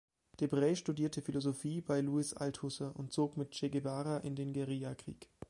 Debray studierte Philosophie bei Louis Althusser und zog mit Che Guevara in den Guerilla-Krieg.